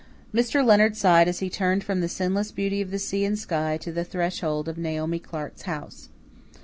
Mr. Leonard sighed as he turned from the sinless beauty of the sea and sky to the threshold of Naomi Clark's house.